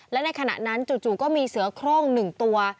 และในขณะนั้นจู่ก็มีเสือโครง๑ตัว